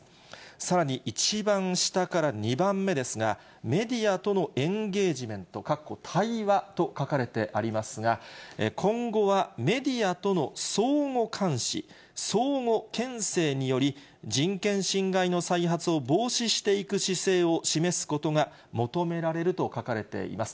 さらに一番下から２番目ですが、メディアとのエンゲージメント、かっこ対話と書かれてありますが、今後はメディアとの相互監視、相互けん制により、人権侵害の再発を防止していく姿勢を示すことが求められると書かれています。